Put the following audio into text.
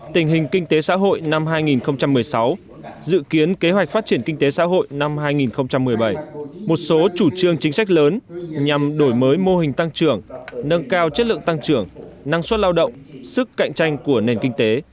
tình hình kinh tế xã hội năm hai nghìn một mươi sáu dự kiến kế hoạch phát triển kinh tế xã hội năm hai nghìn một mươi bảy một số chủ trương chính sách lớn nhằm đổi mới mô hình tăng trưởng nâng cao chất lượng tăng trưởng năng suất lao động sức cạnh tranh của nền kinh tế